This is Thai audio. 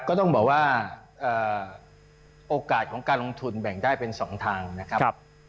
ก็ต้องบอกว่าโอกาสของการลงทุนแบ่งได้เป็น๒ทางนะครับ